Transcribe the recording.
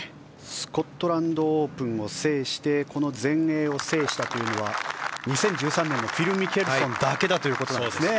スコットランドオープンを制してこの全英を制したというのは２０１３年のフィル・ミケルソンだけだということですね。